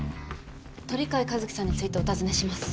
鳥飼一輝さんについてお尋ねします。